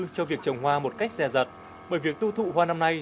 cho việc trồng hoa một cách rẻ rặt bởi việc tu thụ hoa năm nay